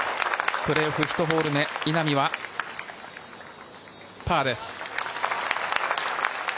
プレーオフ１ホール目稲見は、パーです。